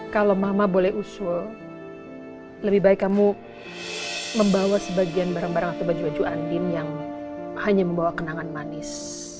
kalau mama boleh usul lebih baik kamu membawa sebagian barang barang atau baju baju andin yang hanya membawa kenangan manis